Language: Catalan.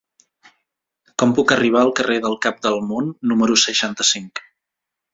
Com puc arribar al carrer del Cap del Món número seixanta-cinc?